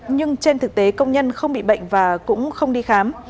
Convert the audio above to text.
nhưng trên thực tế công nhân không bị bệnh và cũng không đi khám